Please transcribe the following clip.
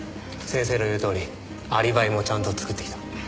先生の言うとおりアリバイもちゃんと作ってきた。